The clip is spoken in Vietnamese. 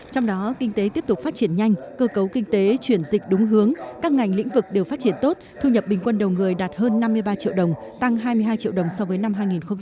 trong đó kinh tế tiếp tục phát triển nhanh cơ cấu kinh tế chuyển dịch đúng hướng các ngành lĩnh vực đều phát triển tốt thu nhập bình quân đầu người đạt hơn năm mươi ba triệu đồng tăng hai mươi hai triệu đồng so với năm hai nghìn một mươi tám